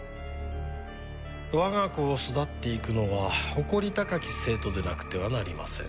我が校を巣立っていくのは誇り高き生徒でなくてはなりません。